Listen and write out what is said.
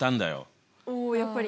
おおやっぱり。